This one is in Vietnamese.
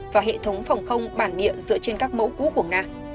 và hệ thống phòng không bản địa dựa trên các mẫu cũ của nga